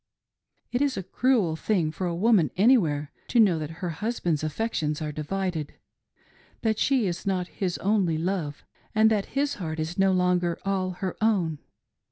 It is a cruel thing for a woman anywhere to know that her husband's affections are divided, that she is not his only love, and that his heart is no longer all her own.